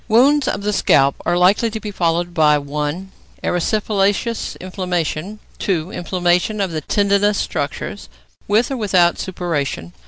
= Wounds of the scalp are likely to be followed by (1) erysipelatous inflammation; (2) inflammation of the tendinous structures, with or without suppuration.